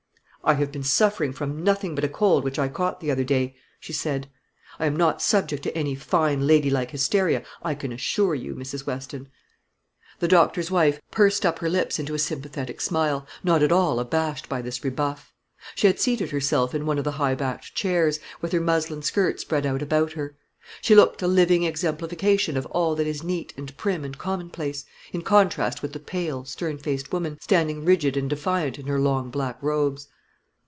"I have been suffering from nothing but a cold which I caught the other day," she said; "I am not subject to any fine ladylike hysteria, I can assure you, Mrs. Weston." The doctor's wife pursed up her lips into a sympathetic smile, not at all abashed by this rebuff. She had seated herself in one of the high backed chairs, with her muslin skirt spread out about her. She looked a living exemplification of all that is neat and prim and commonplace, in contrast with the pale, stern faced woman, standing rigid and defiant in her long black robes.